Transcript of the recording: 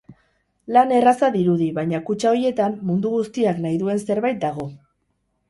Lan erraza dirudi, baina kutxa horietan mundu guztiak nahi duen zerbait dago.